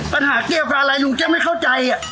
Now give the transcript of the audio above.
ปัญหาเจ๊กอะไรลุงเจ๊ไม่เข้าใจอ่ะ